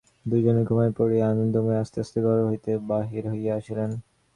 দুইজনে ঘুমাইয়া পড়িলে আনন্দময়ী আস্তে আস্তে ঘর হইতে বাহির হইয়া আসিলেন।